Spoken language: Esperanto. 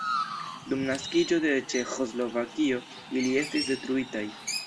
Dum naskiĝo de Ĉeĥoslovakio ili estis detruitaj.